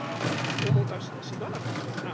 気を持たしてすまなかったな」。